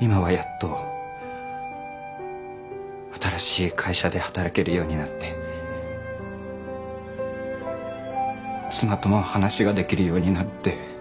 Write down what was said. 今はやっと新しい会社で働けるようになって妻とも話ができるようになって。